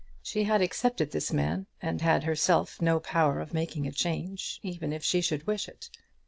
She had accepted this man, and had herself no power of making a change, even if she should wish it.